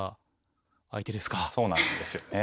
そうなんですよね。